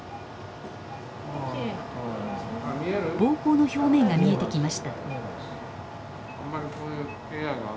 膀胱の表面が見えてきました。